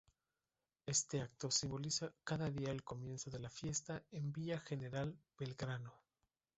Este acto simboliza cada día el comienzo de la fiesta en Villa General Belgrano.